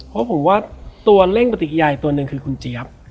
เพราะผมว่าตัวเร่งปฏิกิยายตัวหนึ่งคือคุณเจี๊ยบ